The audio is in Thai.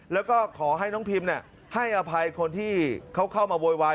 แล้วก็ขอให้น้องพิมให้อภัยคนที่เขาเข้ามาโวยวาย